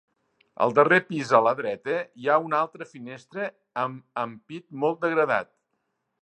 Al darrer pis a la dreta, hi ha una altra finestra amb ampit molt degradat.